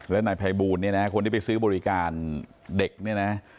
และนายภัยบูลเนี่ยนะคนที่ไปซื้อบริการเด็กเนี่ยนะ